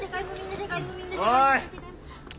おい！